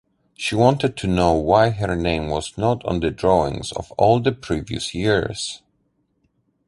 She wanted to know why her name was not on the drawings of all the previous years.